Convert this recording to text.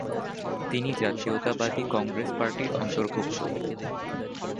তিনি জাতীয়তাবাদী কংগ্রেস পার্টির অন্তর্ভুক্ত।